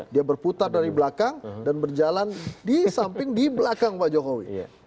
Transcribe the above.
dia berputar dari belakang dan berjalan di samping di belakang pak jokowi